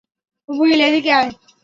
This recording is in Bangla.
উইল, এদিকে আয়।